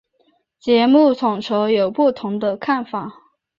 节目统筹有不同的看法。